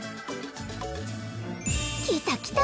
きたきた。